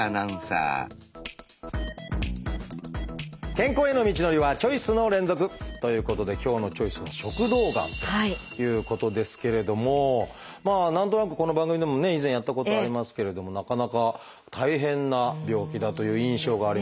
健康への道のりはチョイスの連続！ということで今日の「チョイス」は何となくこの番組でもね以前やったことありますけれどもなかなか大変な病気だという印象がありますよね。